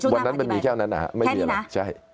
วันนั้นมันมีแค่นั้นนะครับแค่นี้นะใช่